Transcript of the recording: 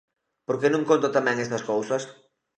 ¿Por que non conta tamén esas cousas?